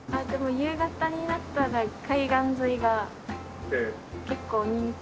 夕方になったら海岸沿いが結構人気。